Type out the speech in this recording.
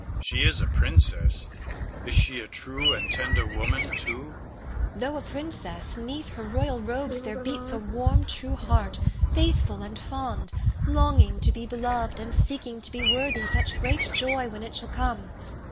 She is a princess; is she a true and tender woman too? Ione. Though a princess, 'neath her royal robes there beats a warm, true heart, faithful and fond, longing to be beloved and seeking to be worthy such great joy when it shall come.